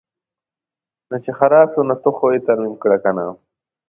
نو چې خراب شو ته خو یې ترمیم کړه کنه.